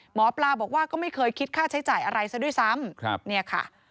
หมอปลาบอกว่าก็ไม่เคยคิดค่าใช้จ่ายอะไรซะด้วยซ้ำเนี่ยค่ะ